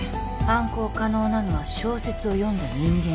犯行可能なのは小説を読んだ人間だけ。